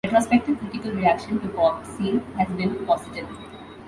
Retrospective critical reaction to "Popscene" has been positive.